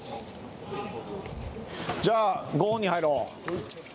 じゃあ、ご本人入ろう。